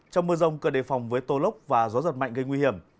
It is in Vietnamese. trong mưa rông cần đề phòng với tô lốc và gió giật mạnh gây nguy hiểm